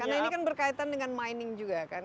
karena ini kan berkaitan dengan mining juga kan